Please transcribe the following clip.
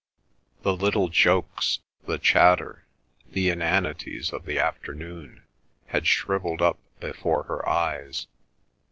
The little jokes, the chatter, the inanities of the afternoon had shrivelled up before her eyes.